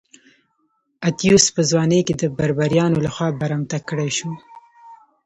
اتیوس په ځوانۍ کې د بربریانو لخوا برمته کړای شو.